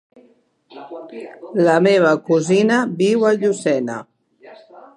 La meva cosina viu a Llucena.